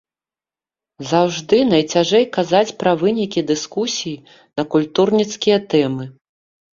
Заўжды найцяжэй казаць пра вынікі дыскусій на культурніцкія тэмы.